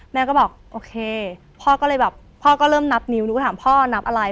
แม่ก็บอกโอเคพ่อก็เลยแบบพ่อก็เริ่มนับนิ้วหนูก็ถามพ่อนับอะไร